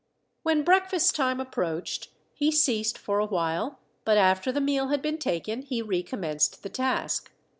When breakfast time approached he ceased for a while, but after the meal had been taken, he recommenced the task.